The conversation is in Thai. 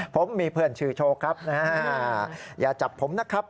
ผมมีเพื่อนชื่อโชว์ครับนะฮะอย่าจับผมนะครับ